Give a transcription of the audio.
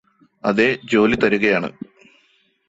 അതെ ജോലി തരുകയാണ്